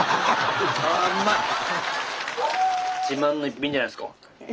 自慢の逸品じゃないですか。